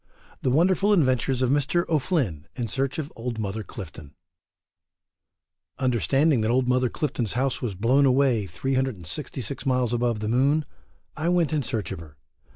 THE WONDERFUL Adventures of Mr. O'Flynn in Search OF OLD MOTHER CLIFTON. Understanding that old Mother Clifton's house was blown away 366 miles above the moon, I went in search of her.